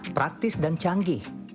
praktis dan canggih